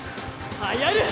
はやる！